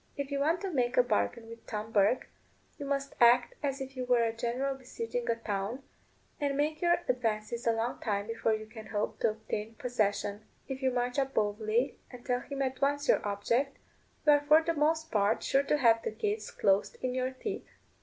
If you want to make a bargain with Tom Bourke you must act as if you were a general besieging a town, and make your advances a long time before you can hope to obtain possession; if you march up boldly, and tell him at once your object, you are for the most part sure to have the gates closed in your teeth.